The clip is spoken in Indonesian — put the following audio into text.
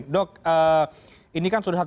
dok ini kan sudah